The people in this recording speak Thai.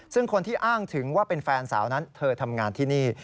ซึ่งคนที่อ้างถึงว่าเป็นแฟนสาวนั้นเธอทำงานที่นี่